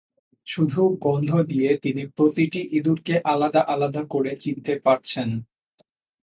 শুধু গন্ধ দিয়ে তিনি প্রতিটি ইঁদুরকে আলাদা-আলাদা করে চিনতে পারছেন।